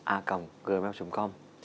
a còng gmail com